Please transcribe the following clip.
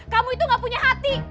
kamu itu gak punya hati